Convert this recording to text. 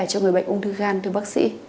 cho người bệnh ung thư gan thưa bác sĩ